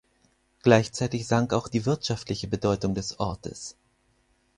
Gleichzeitig sank auch die wirtschaftliche Bedeutung des Ortes.